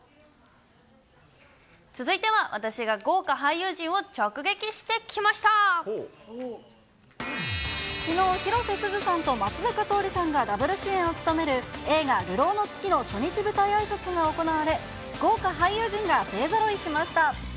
続いては私が豪華俳優陣を直きのう、広瀬すずさんと松坂桃李さんがダブル主演を務める映画、流浪の月の初日舞台あいさつが行われ、豪華俳優陣が勢ぞろいしました。